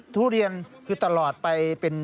ทุเรียนคือตลอดไปเป็น